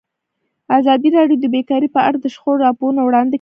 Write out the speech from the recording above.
ازادي راډیو د بیکاري په اړه د شخړو راپورونه وړاندې کړي.